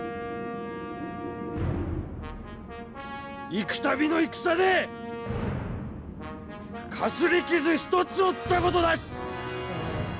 幾たびの戦でかすり傷一つ負ったことなし！